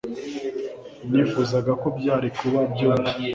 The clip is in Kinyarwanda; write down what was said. nifuzaga ko byari kuba byoroshye